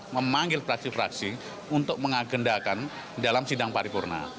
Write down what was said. memanggil fraksi fraksi untuk mengagendakan dalam sidang paripurna